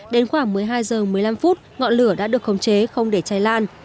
đến khoảng một mươi hai h một mươi năm phút ngọn lửa đã được khống chế không để cháy lan